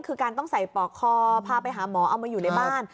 คือการต้องใส่ปอกคอพาไปหาหมอเอามาอยู่ในบ้าน